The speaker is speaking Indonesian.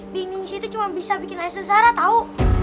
bining sih itu cuma bisa bikin ayah sesara tau